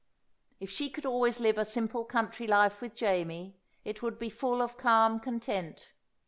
If she could always live a simple country life with Jamie, it would be full of calm content.